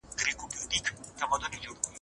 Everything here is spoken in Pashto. که کار په شوق او ذوق سره وسي نو بریا به حتمي وي.